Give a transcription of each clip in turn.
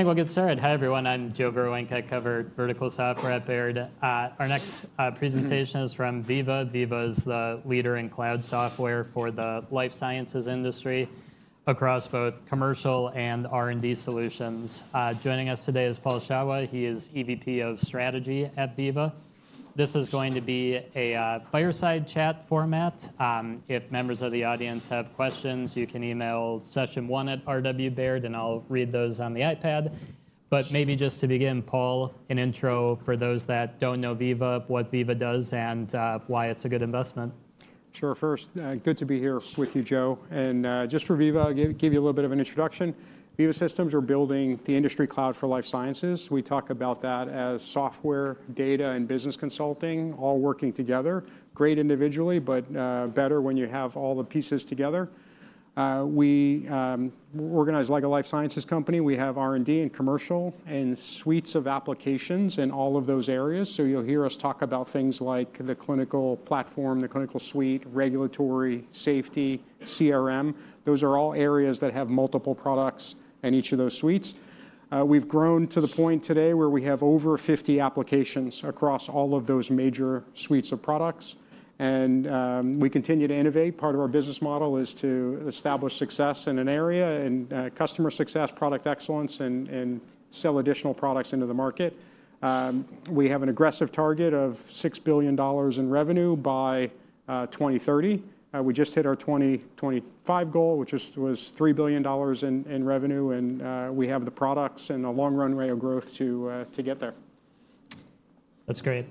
Think we'll get started. Hi, everyone. I'm Joe Vruwink. I cover Vertical Software at Baird. Our next presentation is from Veeva. Veeva is the leader in cloud software for the life sciences industry across both commercial and R&D solutions. Joining us today is Paul Shawah. He is EVP of Strategy at Veeva. This is going to be a fireside chat format. If members of the audience have questions, you can email session1@rwbaird, and I'll read those on the iPad. Maybe just to begin, Paul, an intro for those that don't know Veeva, what Veeva does, and why it's a good investment. Sure. First, good to be here with you, Joe. And just for Veeva, I'll give you a little bit of an introduction. Veeva Systems are building the industry cloud for life sciences. We talk about that as software, data, and business consulting, all working together. Great individually, but better when you have all the pieces together. We organize like a life sciences company. We have R&D and commercial and suites of applications in all of those areas. You'll hear us talk about things like the Clinical Platform, the Clinical Suite, regulatory, safety, CRM. Those are all areas that have multiple products in each of those suites. We've grown to the point today where we have over 50 applications across all of those major suites of products. We continue to innovate. Part of our business model is to establish success in an area and customer success, product excellence, and sell additional products into the market. We have an aggressive target of $6 billion in revenue by 2030. We just hit our 2025 goal, which was $3 billion in revenue. We have the products and a long runway of growth to get there. That's great.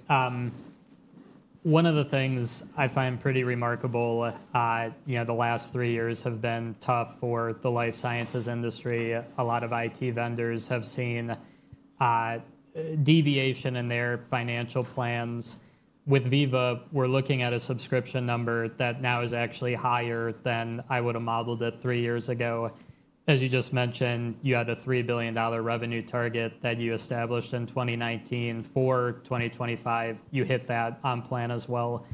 One of the things I find pretty remarkable, the last three years have been tough for the life sciences industry. A lot of IT vendors have seen deviation in their financial plans. With Veeva, we're looking at a subscription number that now is actually higher than I would have modeled it three years ago. As you just mentioned, you had a $3 billion revenue target that you established in 2019. For 2025, you hit that on plan as well.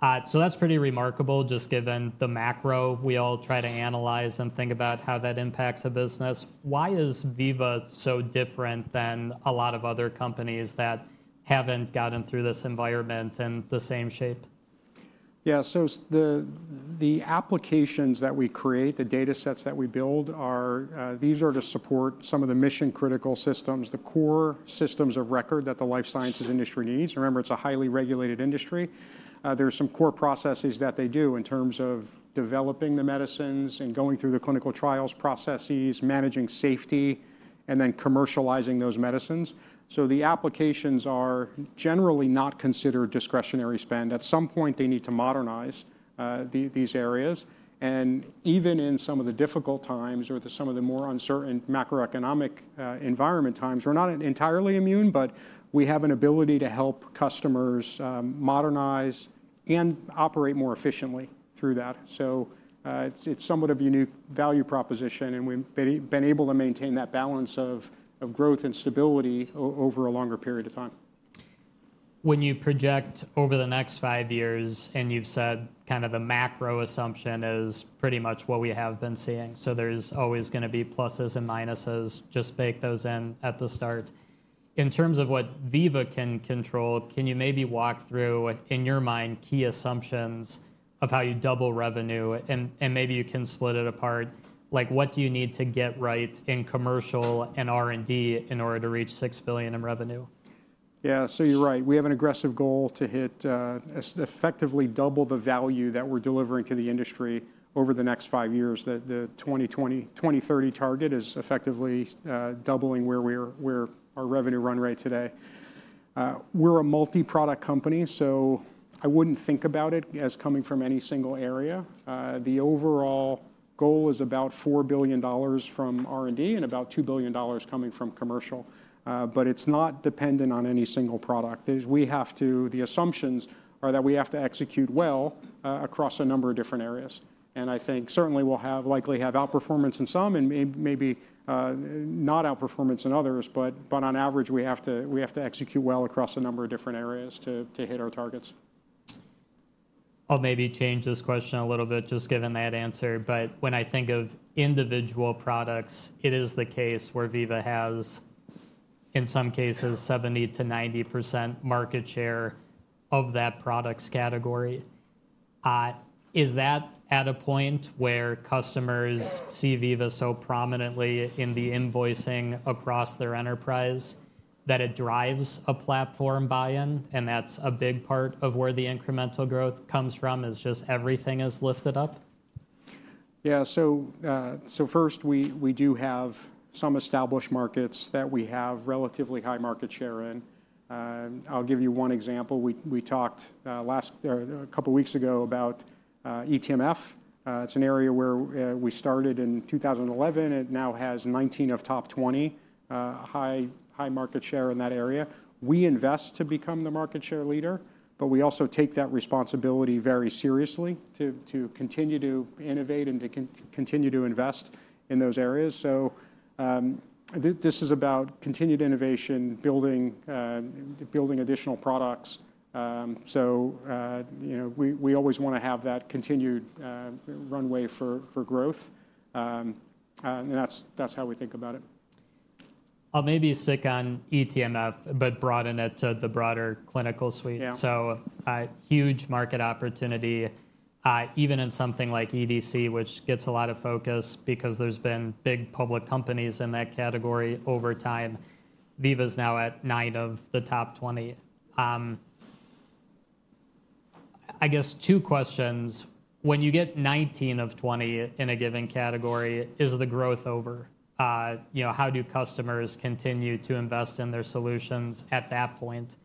That's pretty remarkable, just given the macro we all try to analyze and think about how that impacts a business. Why is Veeva so different than a lot of other companies that haven't gotten through this environment in the same shape? Yeah. The applications that we create, the data sets that we build, these are to support some of the mission-critical systems, the core systems of record that the life sciences industry needs. Remember, it is a highly regulated industry. There are some core processes that they do in terms of developing the medicines and going through the clinical trials processes, managing safety, and then commercializing those medicines. The applications are generally not considered discretionary spend. At some point, they need to modernize these areas. Even in some of the difficult times or some of the more uncertain macroeconomic environment times, we are not entirely immune, but we have an ability to help customers modernize and operate more efficiently through that. It is somewhat of a unique value proposition. We have been able to maintain that balance of growth and stability over a longer period of time. When you project over the next five years, and you've said kind of the macro assumption is pretty much what we have been seeing, so there's always going to be pluses and minuses. Just bake those in at the start. In terms of what Veeva can control, can you maybe walk through, in your mind, key assumptions of how you double revenue? And maybe you can split it apart. What do you need to get right in commercial and R&D in order to reach $6 billion in revenue? Yeah. You are right. We have an aggressive goal to hit effectively double the value that we are delivering to the industry over the next five years. The 2020-2030 target is effectively doubling where our revenue run rate is today. We are a multi-product company. I would not think about it as coming from any single area. The overall goal is about $4 billion from R&D and about $2 billion coming from commercial. It is not dependent on any single product. The assumptions are that we have to execute well across a number of different areas. I think certainly we will likely have outperformance in some and maybe not outperformance in others. On average, we have to execute well across a number of different areas to hit our targets. I'll maybe change this question a little bit, just given that answer. But when I think of individual products, it is the case where Veeva has, in some cases, 70%-90% market share of that product's category. Is that at a point where customers see Veeva so prominently in the invoicing across their enterprise that it drives a platform buy-in? That's a big part of where the incremental growth comes from, is just everything is lifted up? Yeah. So first, we do have some established markets that we have relatively high market share in. I'll give you one example. We talked a couple of weeks ago about eTMF. It's an area where we started in 2011. It now has 19 of top 20 high market share in that area. We invest to become the market share leader. We also take that responsibility very seriously to continue to innovate and to continue to invest in those areas. This is about continued innovation, building additional products. We always want to have that continued runway for growth. That's how we think about it. I'll maybe stick on eTMF, but broaden it to the broader Clinical Suite. Huge market opportunity, even in something like EDC, which gets a lot of focus because there's been big public companies in that category over time. Veeva is now at 9 of the top 20. I guess two questions. When you get 19 of 20 in a given category, is the growth over? How do customers continue to invest in their solutions at that point?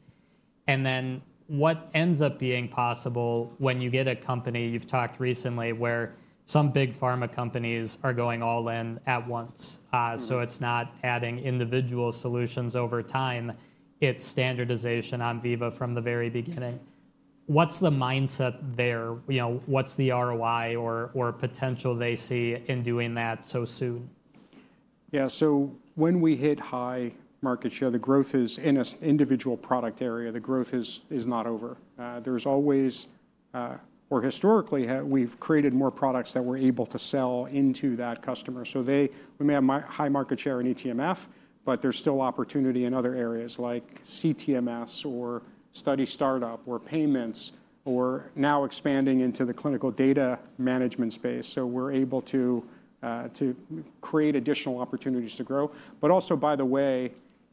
What ends up being possible when you get a company you've talked recently where some big pharma companies are going all in at once? It's not adding individual solutions over time. It's standardization on Veeva from the very beginning. What's the mindset there? What's the ROI or potential they see in doing that so soon? Yeah. When we hit high market share, the growth is in an individual product area. The growth is not over. There's always, or historically, we've created more products that we're able to sell into that customer. We may have high market share in eTMF, but there's still opportunity in other areas like CTMS or study startup or payments or now expanding into the clinical data management space. We're able to create additional opportunities to grow. By the way,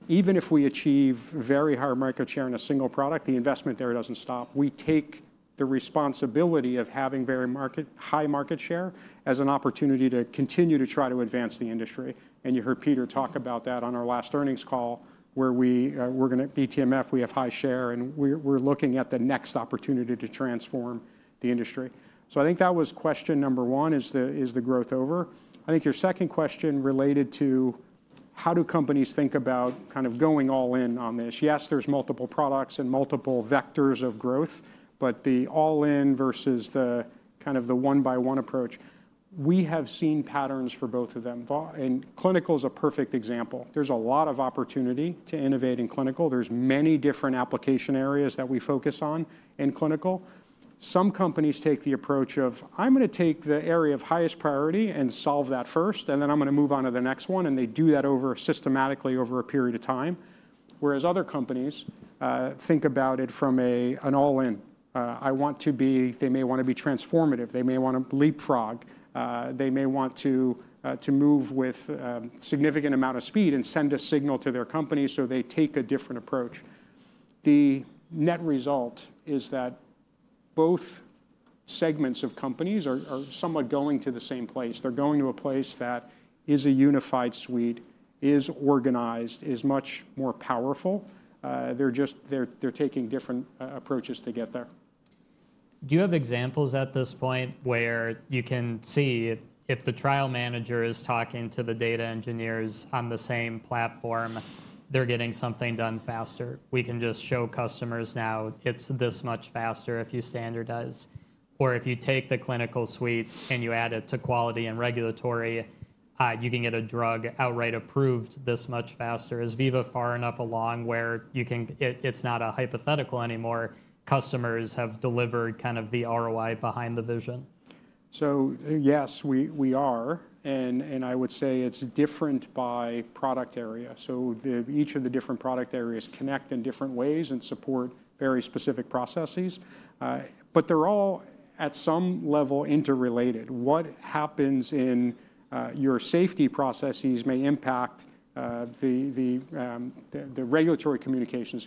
even if we achieve very high market share in a single product, the investment there doesn't stop. We take the responsibility of having very high market share as an opportunity to continue to try to advance the industry. You heard Peter talk about that on our last earnings call, where we're going to eTMF, we have high share. We are looking at the next opportunity to transform the industry. I think that was question number one, is the growth over? I think your second question related to how do companies think about kind of going all in on this. Yes, there are multiple products and multiple vectors of growth. The all-in versus the kind of the one-by-one approach, we have seen patterns for both of them. Clinical is a perfect example. There is a lot of opportunity to innovate in clinical. There are many different application areas that we focus on in clinical. Some companies take the approach of, I am going to take the area of highest priority and solve that first. Then I am going to move on to the next one. They do that systematically over a period of time. Other companies think about it from an all-in. They may want to be transformative. They may want to leapfrog. They may want to move with a significant amount of speed and send a signal to their company. They take a different approach. The net result is that both segments of companies are somewhat going to the same place. They are going to a place that is a unified suite, is organized, is much more powerful. They are taking different approaches to get there. Do you have examples at this point where you can see if the trial manager is talking to the data engineers on the same platform, they're getting something done faster? We can just show customers now it's this much faster if you standardize. Or if you take the Clinical Suite and you add it to quality and regulatory, you can get a drug outright approved this much faster. Is Veeva far enough along where it's not a hypothetical anymore? Customers have delivered kind of the ROI behind the vision? Yes, we are. I would say it's different by product area. Each of the different product areas connect in different ways and support very specific processes, but they're all, at some level, interrelated. What happens in your safety processes may impact the regulatory communications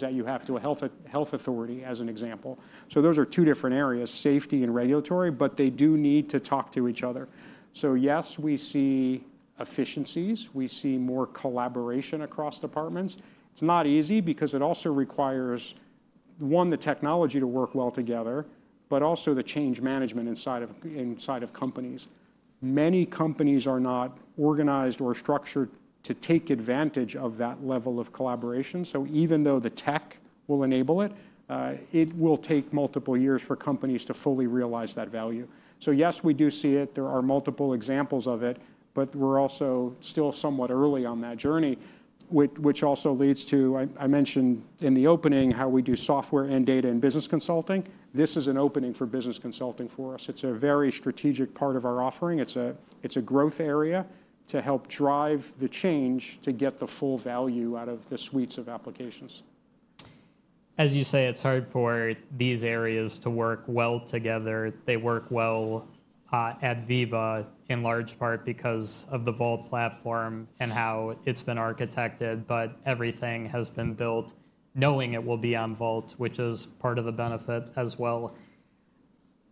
that you have to a health authority, as an example. Those are two different areas, safety and regulatory, but they do need to talk to each other. Yes, we see efficiencies. We see more collaboration across departments. It's not easy because it also requires, one, the technology to work well together, but also the change management inside of companies. Many companies are not organized or structured to take advantage of that level of collaboration. Even though the tech will enable it, it will take multiple years for companies to fully realize that value. Yes, we do see it. There are multiple examples of it. We're also still somewhat early on that journey, which also leads to, I mentioned in the opening, how we do software and data and business consulting. This is an opening for business consulting for us. It's a very strategic part of our offering. It's a growth area to help drive the change to get the full value out of the suites of applications. As you say, it's hard for these areas to work well together. They work well at Veeva in large part because of Vault Platform and how it's been architected. Everything has been built knowing it will be on Vault, which is part of the benefit as well.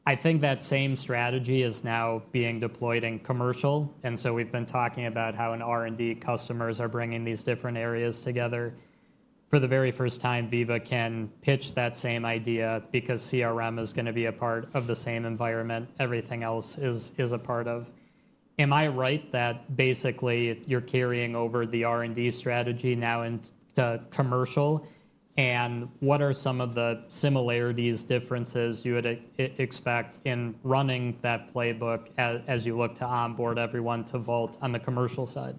I think that same strategy is now being deployed in commercial. We've been talking about how in R&D customers are bringing these different areas together. For the very first time, Veeva can pitch that same idea because CRM is going to be a part of the same environment. Everything else is a part of it. Am I right that basically you're carrying over the R&D strategy now into commercial? What are some of the similarities, differences you would expect in running that playbook as you look to onboard everyone to Vault on the commercial side?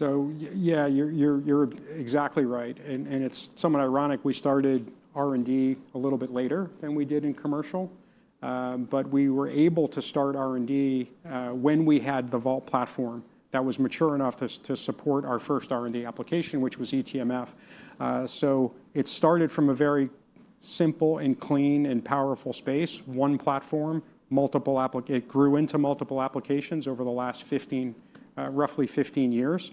Yeah, you're exactly right. It's somewhat ironic. We started R&D a little bit later than we did in commercial, but we were able to start R&D when we had Vault Platform that was mature enough to support our first R&D application, which was eTMF. It started from a very simple and clean and powerful space, one platform. It grew into multiple applications over the last roughly 15 years.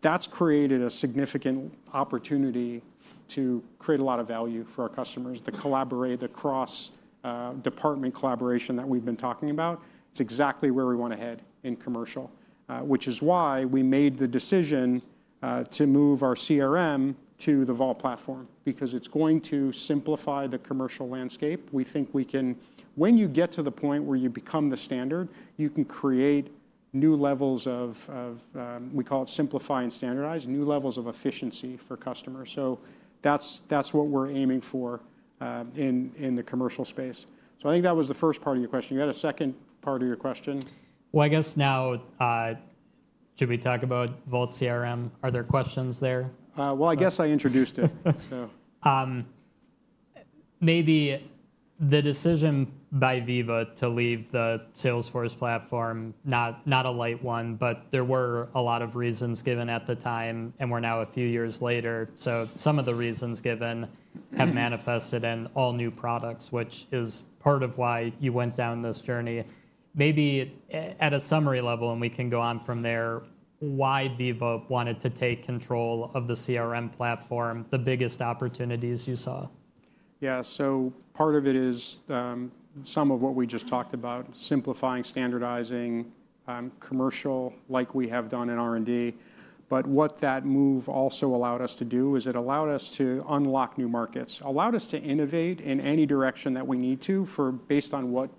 That's created a significant opportunity to create a lot of value for our customers, the cross-department collaboration that we've been talking about. It's exactly where we want to head in commercial, which is why we made the decision to move our CRM to Vault Platform because it's going to simplify the commercial landscape. We think when you get to the point where you become the standard, you can create new levels of, we call it simplify and standardize, new levels of efficiency for customers. That is what we're aiming for in the commercial space. I think that was the first part of your question. You had a second part of your question. I guess now, should we talk about Vault CRM? Are there questions there? I guess I introduced it. Maybe the decision by Veeva to leave Salesforce Platform, not a light one. There were a lot of reasons given at the time. We're now a few years later. Some of the reasons given have manifested in all new products, which is part of why you went down this journey. Maybe at a summary level, and we can go on from there, why Veeva wanted to take control of the CRM platform, the biggest opportunities you saw? Yeah. Part of it is some of what we just talked about, simplifying, standardizing commercial like we have done in R&D. What that move also allowed us to do is it allowed us to unlock new markets, allowed us to innovate in any direction that we need to based on what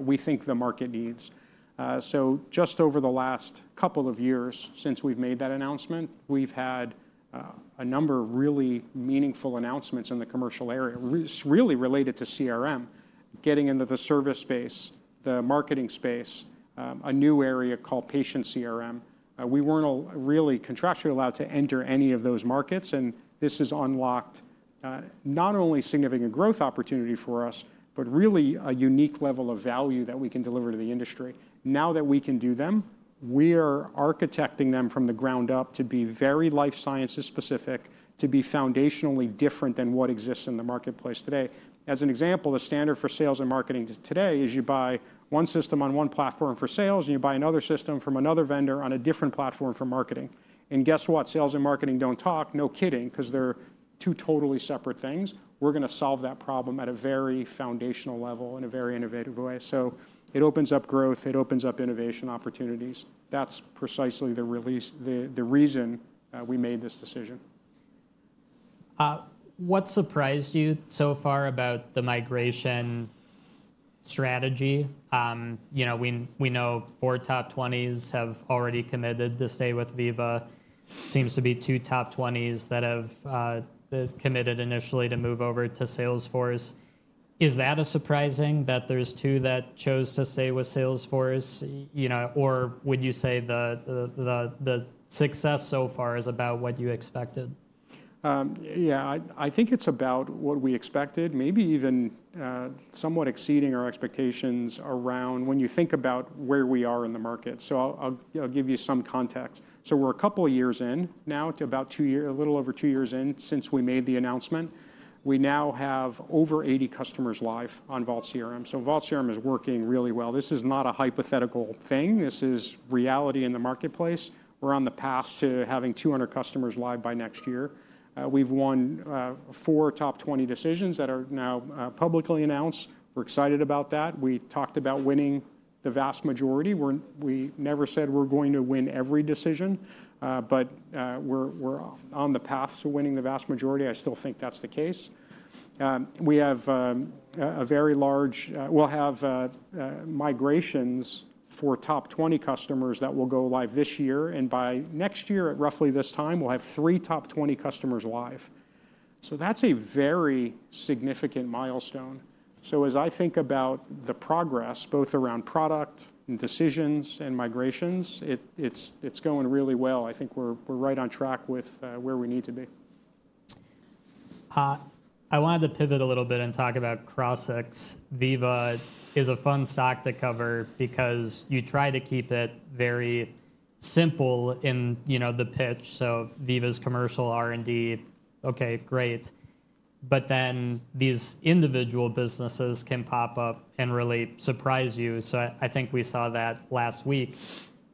we think the market needs. Just over the last couple of years since we've made that announcement, we've had a number of really meaningful announcements in the commercial area, really related to CRM, getting into the service space, the marketing space, a new area called Patient CRM. We weren't really contractually allowed to enter any of those markets. This has unlocked not only significant growth opportunity for us, but really a unique level of value that we can deliver to the industry. Now that we can do them, we are architecting them from the ground up to be very life sciences specific, to be foundationally different than what exists in the marketplace today. As an example, the standard for sales and marketing today is you buy one system on one platform for sales. You buy another system from another vendor on a different platform for marketing. Guess what? Sales and marketing do not talk, no kidding, because they are two totally separate things. We are going to solve that problem at a very foundational level in a very innovative way. It opens up growth. It opens up innovation opportunities. That is precisely the reason we made this decision. What surprised you so far about the migration strategy? We know four top 20s have already committed to stay with Veeva. Seems to be two top 20s that have committed initially to move over to Salesforce. Is that surprising that there's two that chose to stay with Salesforce? Or would you say the success so far is about what you expected? Yeah. I think it's about what we expected, maybe even somewhat exceeding our expectations around when you think about where we are in the market. I'll give you some context. We're a couple of years in now to about a little over two years in since we made the announcement. We now have over 80 customers live on Vault CRM. Vault CRM is working really well. This is not a hypothetical thing. This is reality in the marketplace. We're on the path to having 200 customers live by next year. We've won four top 20 decisions that are now publicly announced. We're excited about that. We talked about winning the vast majority. We never said we're going to win every decision. We're on the path to winning the vast majority. I still think that's the case. We have a very large, we'll have migrations for top 20 customers that will go live this year. By next year at roughly this time, we'll have three top 20 customers live. That is a very significant milestone. As I think about the progress, both around product and decisions and migrations, it's going really well. I think we're right on track with where we need to be. I wanted to pivot a little bit and talk about Crossix. Veeva is a fun stock to cover because you try to keep it very simple in the pitch. So Veeva's commercial, R&D, ok, great. But then these individual businesses can pop up and really surprise you. I think we saw that last week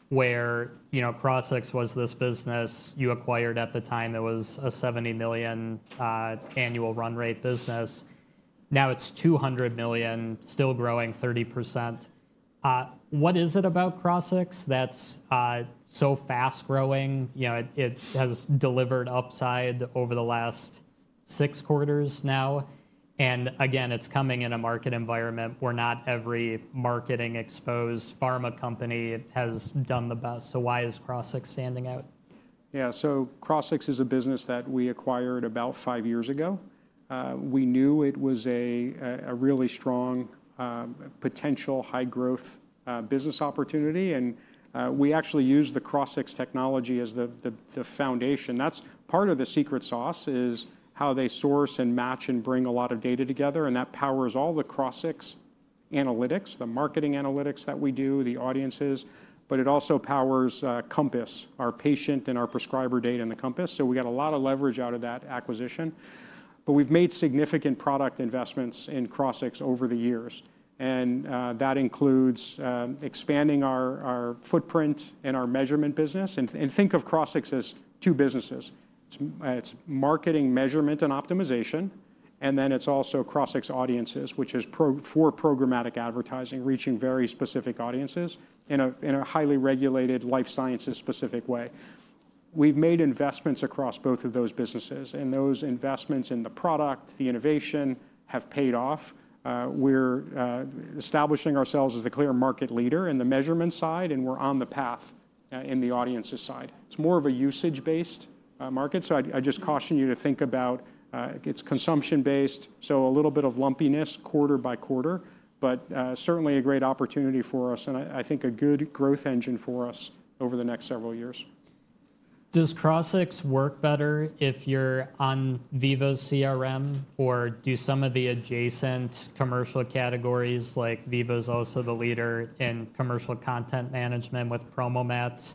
where Crossix was this business you acquired at the time. It was a $70 million annual run rate business. Now it is $200 million, still growing 30%. What is it about Crossix that is so fast growing? It has delivered upside over the last six quarters now. Again, it is coming in a market environment where not every marketing exposed pharma company has done the best. Why is Crossix standing out? Yeah. Crossix is a business that we acquired about five years ago. We knew it was a really strong potential high growth business opportunity. We actually used the Crossix technology as the foundation. That's part of the secret sauce, is how they source and match and bring a lot of data together. That powers all the Crossix analytics, the marketing analytics that we do, the audiences. It also powers Compass, our patient and our prescriber data in the Compass. We got a lot of leverage out of that acquisition. We've made significant product investments in Crossix over the years. That includes expanding our footprint and our measurement business. Think of Crossix as two businesses. It's marketing, measurement, and optimization. It's also Crossix Audiences, which is for programmatic advertising, reaching very specific audiences in a highly regulated life sciences specific way. We've made investments across both of those businesses. Those investments in the product, the innovation, have paid off. We're establishing ourselves as the clear market leader in the measurement side. We're on the path in the audiences side. It's more of a usage-based market. I just caution you to think about it's consumption-based. A little bit of lumpiness quarter by quarter. Certainly a great opportunity for us and I think a good growth engine for us over the next several years. Does Crossix work better if you're on Veeva's CRM? Or do some of the adjacent commercial categories, like Veeva is also the leader in commercial content management with PromoMats, does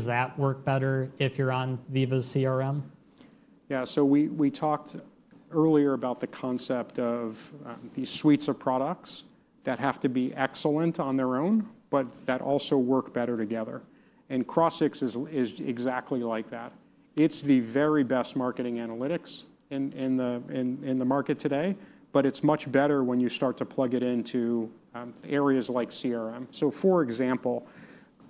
that work better if you're on Veeva's CRM? Yeah. We talked earlier about the concept of these suites of products that have to be excellent on their own, but that also work better together. Crossix is exactly like that. It is the very best marketing analytics in the market today. It is much better when you start to plug it into areas like CRM. For example,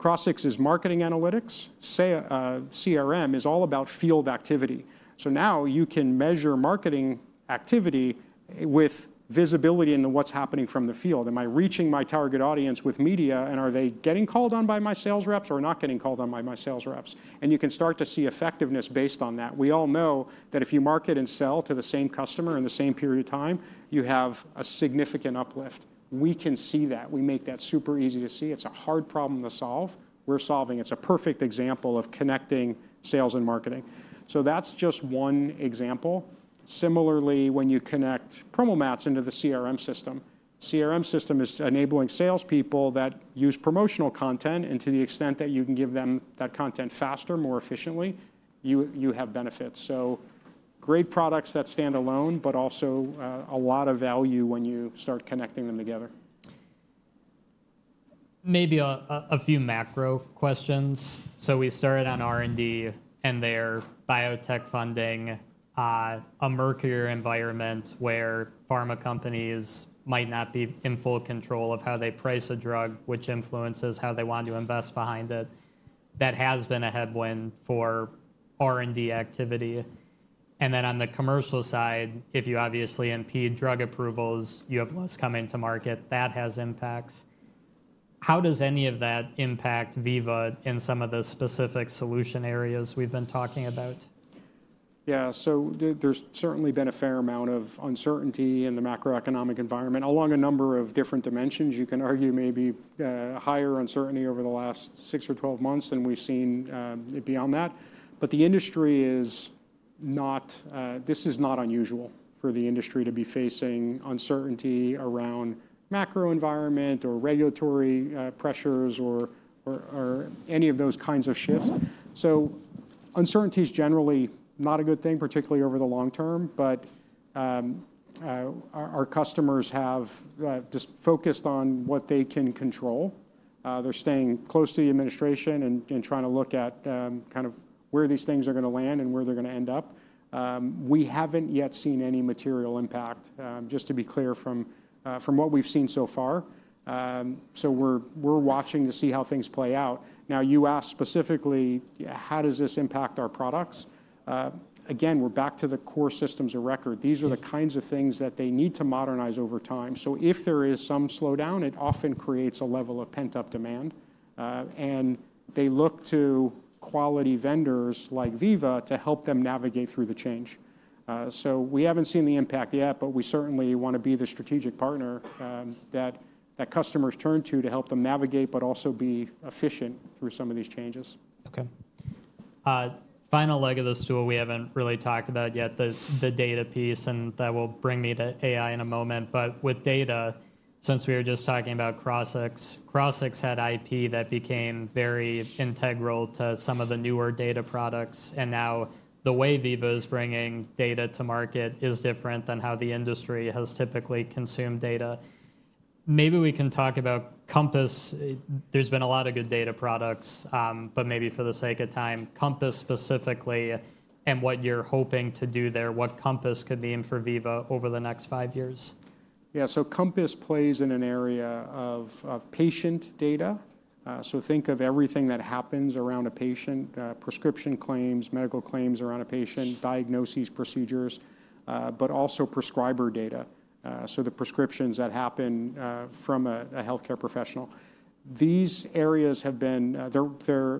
Crossix's marketing analytics, say CRM, is all about field activity. Now you can measure marketing activity with visibility into what is happening from the field. Am I reaching my target audience with media? Are they getting called on by my sales reps or not getting called on by my sales reps? You can start to see effectiveness based on that. We all know that if you market and sell to the same customer in the same period of time, you have a significant uplift. We can see that. We make that super easy to see. It's a hard problem to solve. We're solving. It's a perfect example of connecting sales and marketing. That's just one example. Similarly, when you connect PromoMats into the CRM system, the CRM system is enabling salespeople that use promotional content. To the extent that you can give them that content faster, more efficiently, you have benefits. Great products that stand alone, but also a lot of value when you start connecting them together. Maybe a few macro questions. We started on R&D and their biotech funding, a murkier environment where pharma companies might not be in full control of how they price a drug, which influences how they want to invest behind it. That has been a headwind for R&D activity. On the commercial side, if you obviously impede drug approvals, you have less coming to market. That has impacts. How does any of that impact Veeva in some of the specific solution areas we've been talking about? Yeah. There has certainly been a fair amount of uncertainty in the macroeconomic environment along a number of different dimensions. You can argue maybe higher uncertainty over the last 6 or 12 months than we've seen beyond that. The industry is not unusual for facing uncertainty around the macro environment or regulatory pressures or any of those kinds of shifts. Uncertainty is generally not a good thing, particularly over the long-term. Our customers have just focused on what they can control. They're staying close to the administration and trying to look at where these things are going to land and where they're going to end up. We haven't yet seen any material impact, just to be clear, from what we've seen so far. We're watching to see how things play out. Now, you asked specifically, how does this impact our products? Again, we're back to the core systems of record. These are the kinds of things that they need to modernize over time. If there is some slowdown, it often creates a level of pent-up demand. They look to quality vendors like Veeva to help them navigate through the change. We haven't seen the impact yet. We certainly want to be the strategic partner that customers turn to to help them navigate, but also be efficient through some of these changes. OK. Final leg of the stool we haven't really talked about yet, the data piece. That will bring me to AI in a moment. With data, since we were just talking about Crossix, Crossix had IP that became very integral to some of the newer data products. Now the way Veeva is bringing data to market is different than how the industry has typically consumed data. Maybe we can talk about Compass. There have been a lot of good data products. Maybe for the sake of time, Compass specifically and what you're hoping to do there, what Compass could mean for Veeva over the next five years? Yeah. Compass plays in an area of patient data. Think of everything that happens around a patient, prescription claims, medical claims around a patient, diagnoses, procedures, but also prescriber data, so the prescriptions that happen from a health care professional. These areas have been,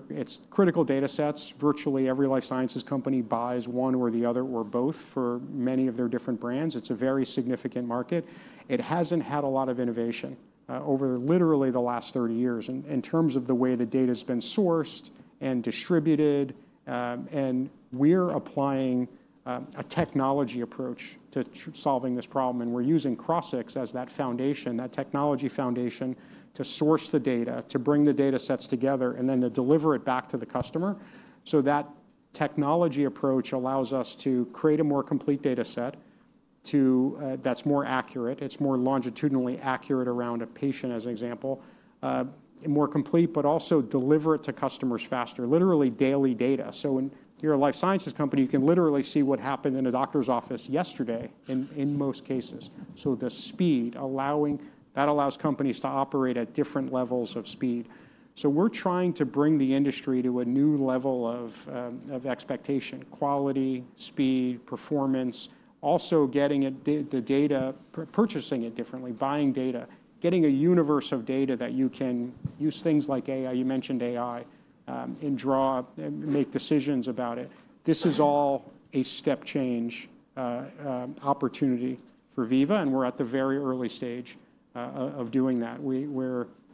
it's critical data sets. Virtually every life sciences company buys one or the other or both for many of their different brands. It's a very significant market. It hasn't had a lot of innovation over literally the last 30 years in terms of the way the data has been sourced and distributed. We are applying a technology approach to solving this problem. We are using Crossix as that foundation, that technology foundation, to source the data, to bring the data sets together, and then to deliver it back to the customer. That technology approach allows us to create a more complete data set that's more accurate. It's more longitudinally accurate around a patient, as an example, more complete, but also deliver it to customers faster, literally daily data. When you're a life sciences company, you can literally see what happened in a doctor's office yesterday in most cases. The speed allowing that allows companies to operate at different levels of speed. We're trying to bring the industry to a new level of expectation, quality, speed, performance, also getting the data, purchasing it differently, buying data, getting a universe of data that you can use things like AI. You mentioned AI and draw, make decisions about it. This is all a step change opportunity for Veeva. We're at the very early stage of doing that.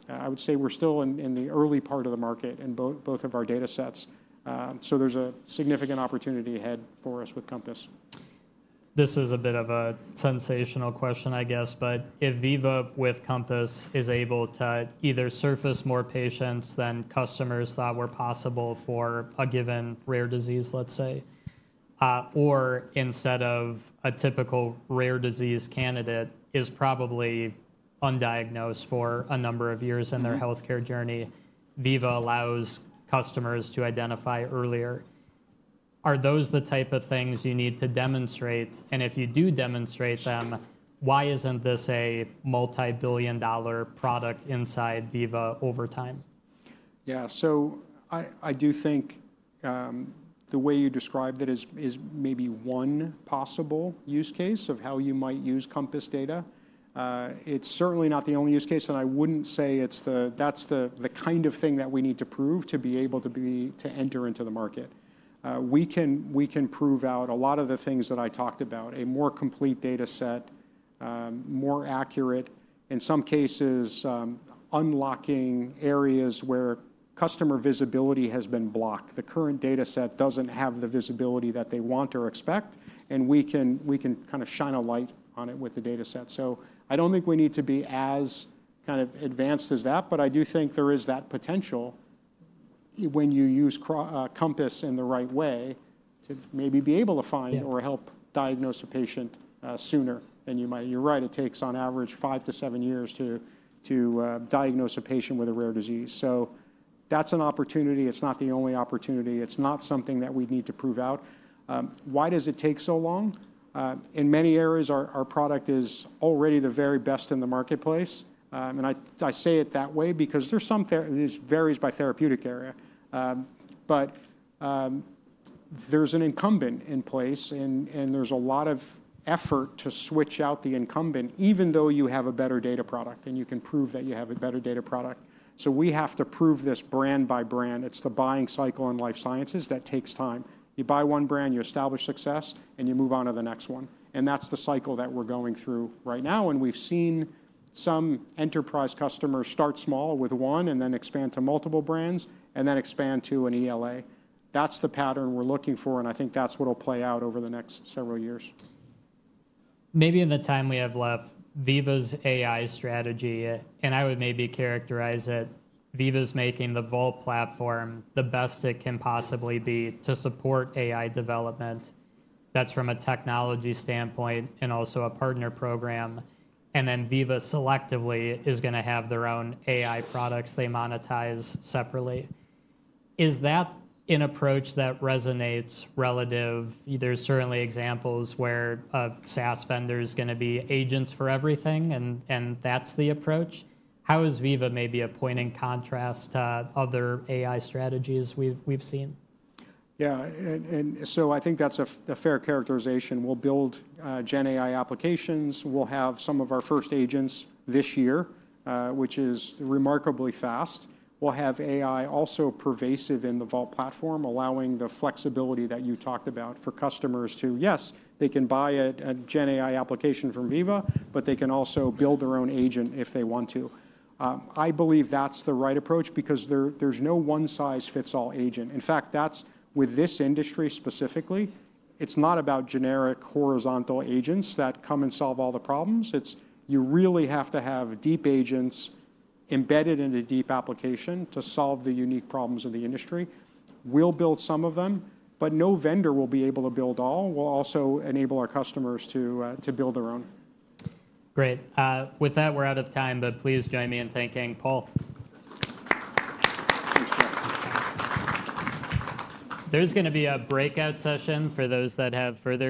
I would say we're still in the early part of the market in both of our data sets. There is a significant opportunity ahead for us with Compass. This is a bit of a sensational question, I guess. But if Veeva, with Compass, is able to either surface more patients than customers thought were possible for a given rare disease, let's say, or instead of a typical rare disease candidate is probably undiagnosed for a number of years in their health care journey, Veeva allows customers to identify earlier, are those the type of things you need to demonstrate? And if you do demonstrate them, why isn't this a multi-billion dollar product inside Veeva over time? Yeah. I do think the way you described it is maybe one possible use case of how you might use Compass data. It's certainly not the only use case. I wouldn't say that's the kind of thing that we need to prove to be able to enter into the market. We can prove out a lot of the things that I talked about, a more complete data set, more accurate, in some cases unlocking areas where customer visibility has been blocked. The current data set doesn't have the visibility that they want or expect. We can kind of shine a light on it with the data set. I don't think we need to be as kind of advanced as that. I do think there is that potential when you use Compass in the right way to maybe be able to find or help diagnose a patient sooner than you might. You're right. It takes on average five to seven years to diagnose a patient with a rare disease. That is an opportunity. It's not the only opportunity. It's not something that we need to prove out. Why does it take so long? In many areas, our product is already the very best in the marketplace. I say it that way because some of it varies by therapeutic area. There is an incumbent in place. There is a lot of effort to switch out the incumbent, even though you have a better data product and you can prove that you have a better data product. We have to prove this brand by brand. It's the buying cycle in life sciences that takes time. You buy one brand, you establish success, and you move on to the next one. That's the cycle that we're going through right now. We've seen some enterprise customers start small with one and then expand to multiple brands and then expand to an ELA. That's the pattern we're looking for. I think that's what will play out over the next several years. Maybe in the time we have left, Veeva's AI strategy, and I would maybe characterize it, Veeva's making Vault Platform the best it can possibly be to support AI development. That's from a technology standpoint and also a partner program. Then Veeva selectively is going to have their own AI products they monetize separately. Is that an approach that resonates relative? There's certainly examples where a SaaS vendor is going to be agents for everything. That's the approach. How is Veeva maybe a point in contrast to other AI strategies we've seen? Yeah. I think that's a fair characterization. We'll build Gen AI applications. We'll have some of our first agents this year, which is remarkably fast. We'll have AI also pervasive in Vault Platform, allowing the flexibility that you talked about for customers to, yes, they can buy a Gen AI application from Veeva, but they can also build their own agent if they want to. I believe that's the right approach because there's no one size fits all agent. In fact, with this industry specifically, it's not about generic horizontal agents that come and solve all the problems. You really have to have deep agents embedded in a deep application to solve the unique problems of the industry. We'll build some of them. No vendor will be able to build all. We'll also enable our customers to build their own. Great. With that, we're out of time. Please join me in thanking Paul. Thanks, Joe. There's going to be a breakout session for those that have further.